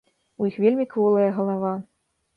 У іх вельмі кволая галава.